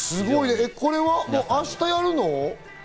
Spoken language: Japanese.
これは明日やるの？